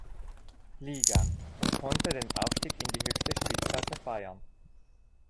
Liga und konnte den Aufstieg in die höchste Spielklasse feiern.